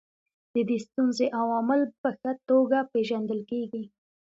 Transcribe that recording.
د دې ستونزې عوامل په ښه توګه پېژندل کیږي.